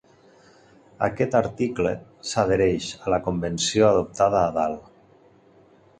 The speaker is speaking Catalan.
Aquest article s'adhereix a la convenció adoptada a dalt.